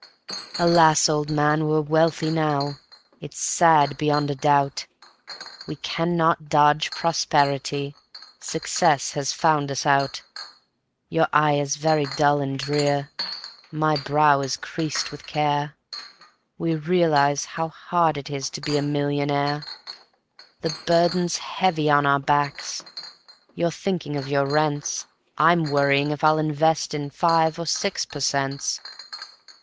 III Alas! old man, we're wealthy now, it's sad beyond a doubt; We cannot dodge prosperity, success has found us out. Your eye is very dull and drear, my brow is creased with care, We realize how hard it is to be a millionaire. The burden's heavy on our backs you're thinking of your rents, I'm worrying if I'll invest in five or six per cents.